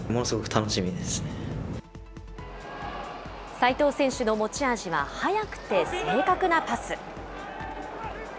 齋藤選手の持ち味は速くて正確なパス。